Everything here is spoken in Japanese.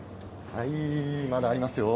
まだありますよ。